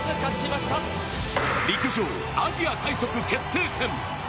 陸上アジア最速決定戦。